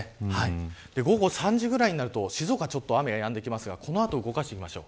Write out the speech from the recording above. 午後３時ぐらいになると静岡は雨がやんできますが動かしていきます。